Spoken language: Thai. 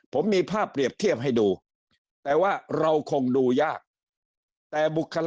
ผมมีภาพเปรียบเทียบให้ดูแต่ว่าเราคงดูยาก